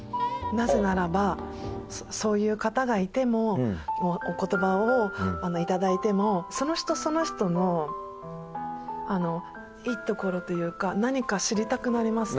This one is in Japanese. なぜならばそういう方がいてもお言葉を頂いてもその人その人のいいところというか何か知りたくなります。